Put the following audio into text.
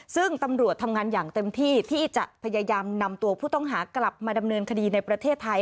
ซึ่งตำรวจทำงานอย่างเต็มที่ที่จะพยายามนำตัวผู้ต้องหากลับมาดำเนินคดีในประเทศไทย